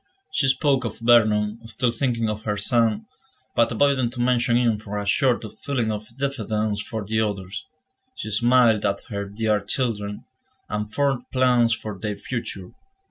She spoke of Vernon, still thinking of her son, but avoiding to mention him from a sort of feeling of diffidence for the others; she smiled at her dear children, and formed plans for their future.